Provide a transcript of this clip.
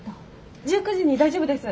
１９時に大丈夫です。